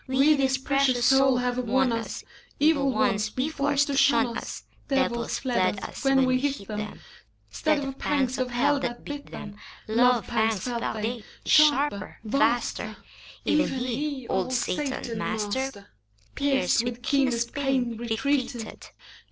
We this precious Soul have won us; Evil ones we forced to shun us ; Devils fled us, when we hit them: 'Stead of pangs of Hell, that bit them, Love pangs felt they, sharper, vaster: Even he, old Satan Master, Pierced with keenest pain, retreated.